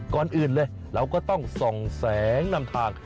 ก่อนอื่นเลยเราก็ต้องส่องแสงนำทาง